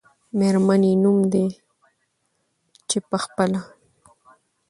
میرمنې نوم دی، چې په خپله